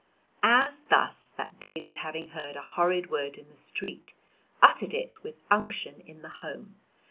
"As thus, that David having heard a horrid word in the street, uttered it with unction in the home.